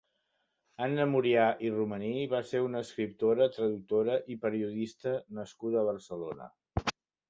Anna Murià i Romaní va ser una escriptora, traductora i periodista nascuda a Barcelona.